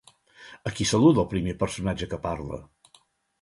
A qui saluda el primer personatge que parla?